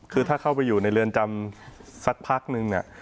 คือถ้าเข้าไปอยู่ในเรือนจำสักพักนึงเนี่ย